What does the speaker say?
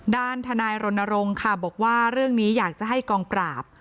ด้านทนายรณรงค์ค่ะบอกว่าเรื่องนี้อยากจะให้กองปราบ